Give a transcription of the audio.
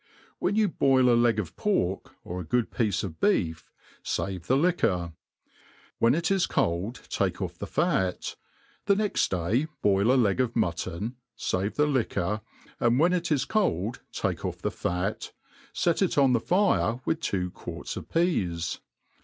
WHEN you boil a leg of pork, or a good piece of beef, favc the liquor. When it is cold take ofF the fat j th'e next day boil a leg of mutton, fave the liquor, and when it is cold take off the fat, fet it on the fire, with two quarts of peas.